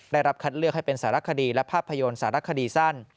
ได้รับคัดเลือกให้เป็นสารคดีและภาพยนตร์สารคดีสั้น